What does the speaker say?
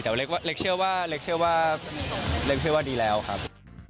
แต่ว่าเล็กเชื่อว่าเล็กเชื่อว่าเล็กเชื่อว่าดีแล้วครับ